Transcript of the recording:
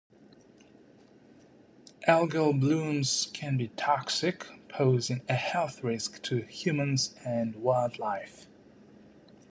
Algal blooms can be toxic, posing a health risk to humans and wildlife.